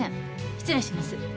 失礼します。